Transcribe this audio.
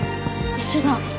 一緒だ。